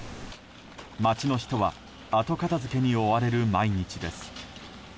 街の人は後片付けに追われる毎日です。